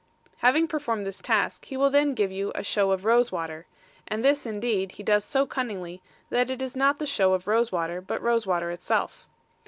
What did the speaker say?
Having performed this task, he will then give you a show of rose water; and this indeed, he does so cunningly, that it is not the show of rose water, but rose water itself.